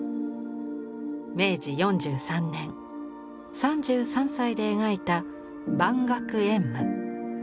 明治４３年３３歳で描いた「万壑烟霧」。